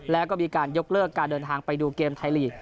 แล้วก็มีการยกเลิกการเดินทางไปดูเกมไทยลีก